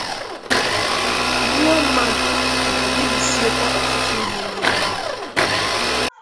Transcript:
gbuo mmadụ ma bibisiekwa ọtụtụ ihe n'ebe ahụ.